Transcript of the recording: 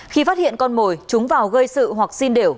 khi phát hiện con mồi chúng vào gây sự hoặc xin để